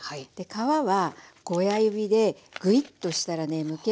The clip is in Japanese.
皮は親指でぐいっとしたらねむけます。